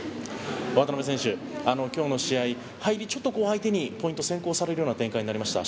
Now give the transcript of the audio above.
渡辺選手、今日の試合入りではちょっと相手にポイント先行される展開になりました。